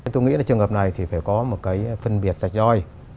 tôi nghĩ là trường hợp này thì phải có một cái phân biệt sạch roi